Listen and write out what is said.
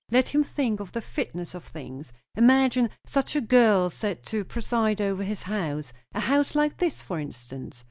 Let him think of the fitness of things. Imagine such a girl set to preside over his house a house like this, for instance.